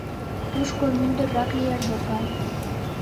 — Тушко мӱндыррак лиеш докан.